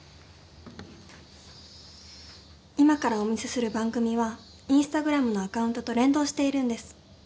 今からお見せする番組はインスタグラムのアカウントと連動しているんです。